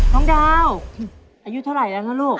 น้องดาวอายุเท่าไหร่แล้วนะลูก